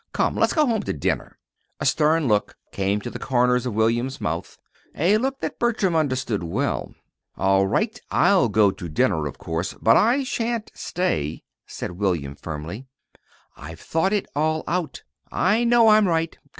Come, let's go home to dinner." A stern look came to the corners of William's mouth a look that Bertram understood well. "All right, I'll go to dinner, of course; but I sha'n't stay," said William, firmly. "I've thought it all out. I know I'm right.